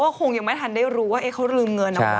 เค้าคงยังไม่ทันได้รู้ว่าเค้าลืมเงินเอาไป